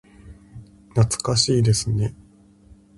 懐かしいですね。